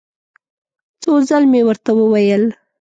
څو ځل مې ورته وویل.